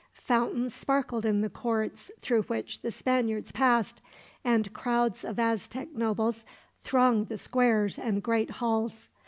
Fountains sparkled in the courts through which the Spaniards passed, and crowds of Aztec nobles thronged the squares and great halls.